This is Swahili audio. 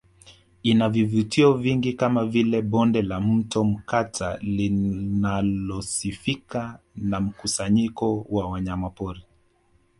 Ina vivutio vingi kama vile Bonde la Mto Mkata linalosifika kwa mkusanyiko wa wanyamapori